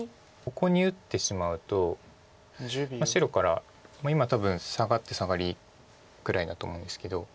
ここに打ってしまうと白から今多分サガってサガリぐらいだと思うんですけど。